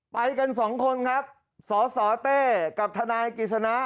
ไปกันสองคนครับสสเต้กับทกิจฉนะ